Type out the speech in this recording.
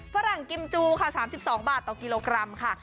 ฝรั่งกิมจูค่ะ๓๒บาทต่อกิโลกรัมค่ะ